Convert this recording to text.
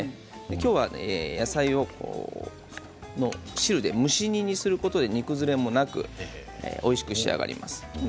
今日は野菜の汁で蒸し煮にすることで煮崩れなくおいしく仕上がります。